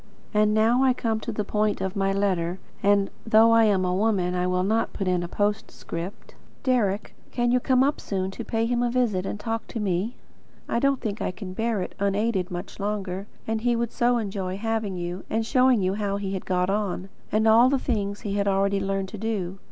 And now I come to the point of my letter, and, though I am a woman, I will not put it in a postscript. Deryck, can you come up soon, to pay him a visit, and to talk to me? I don't think I can bear it, unaided, much longer; and he would so enjoy having you, and showing you how he had got on, and all the things he had already learned to do.